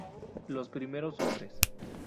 Los Primeros hombres.